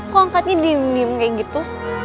kok angkatnya diem diem kayak gitu